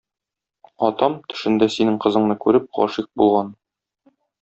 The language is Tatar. Атам, төшендә синең кызыңны күреп, гашыйк булган.